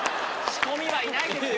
仕込みはいないですよ。